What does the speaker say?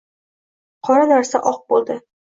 “Qora narsa oq bo’ldi.